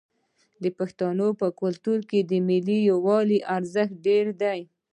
د پښتنو په کلتور کې د ملي یووالي ارزښت ډیر دی.